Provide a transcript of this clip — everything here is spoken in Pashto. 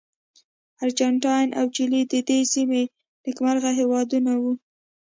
ارجنټاین او چیلي د دې سیمې نېکمرغه هېوادونه وو.